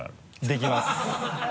できます。